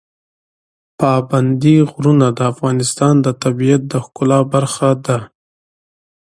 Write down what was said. پابندی غرونه د افغانستان د طبیعت د ښکلا برخه ده.